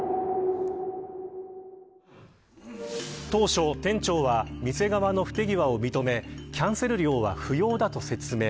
当初、店長は店側の不手際を認めキャンセル料は不要だと説明。